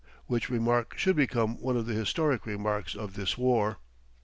Which remark should become one of the historic remarks of this war.